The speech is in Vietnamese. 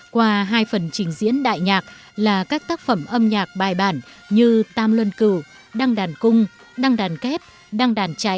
qua hai phần trình diễn đại nhạc là các tác phẩm âm nhạc bài bản như tam luân cử đăng đàn cung đăng đàn kép đăng đàn trái